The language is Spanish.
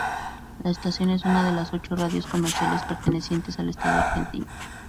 La estación es una de las ocho radios comerciales pertenecientes al Estado Argentino.